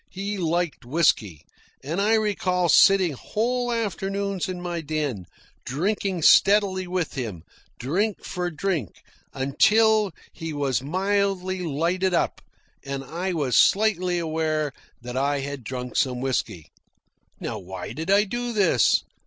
He liked whisky, and I recall sitting whole afternoons in my den, drinking steadily with him, drink for drink, until he was mildly lighted up and I was slightly aware that I had drunk some whisky. Now why did I do this?